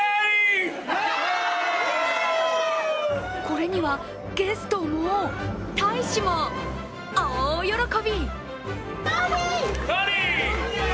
これにはゲストも大使も大喜び。